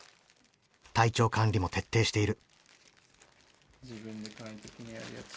体調管理も徹底している。